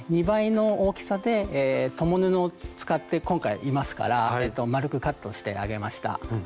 ２倍の大きさで共布を今回使っていますから丸くカットしてあげました。